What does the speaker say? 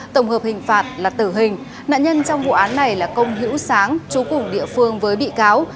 tổng hợp hình phạt là tử hình nạn nhân trong vụ án này là công hữu sáng chú củng địa phương với bị cáo